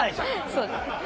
そうですね。